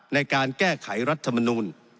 ในการแก้ไขรัฐมนูล